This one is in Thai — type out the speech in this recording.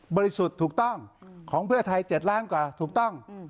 สุทธิ์ถูกต้องของเพื่อไทย๗ล้านกว่าถูกต้อง